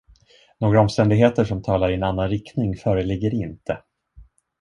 Några omständigheter som talar i en annan riktning föreligger inte.